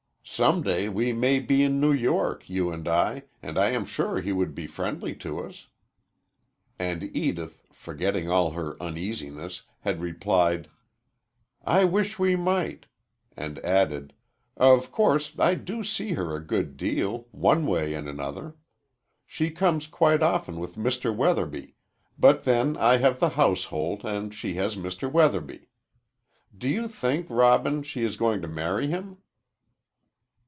"Some day we may be in New York, you and I, and I am sure she would be friendly to us." And Edith, forgetting all her uneasiness, had replied: "I wish we might"; and added, "of course, I do see her a good deal one way and another. She comes quite often with Mr. Weatherby, but then I have the household and she has Mr. Weatherby. Do you think, Robin, she is going to marry him?"